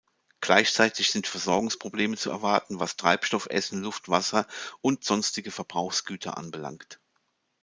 Gleichzeitig sind Versorgungsprobleme zu erwarten, was Treibstoff, Essen, Luft, Wasser und sonstige Verbrauchsgüter anbelangt.